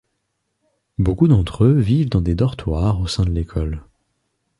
Beaucoup d'entre eux vivent dans des dortoirs au sein de l'école.